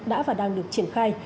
đã và đang được triển khai